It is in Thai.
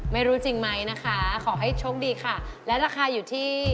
ไม่รู้จริงไหมนะคะขอให้โชคดีค่ะและราคาอยู่ที่